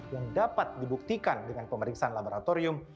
yang dapat dibuktikan dengan pemeriksaan laboratorium